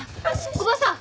おばあさん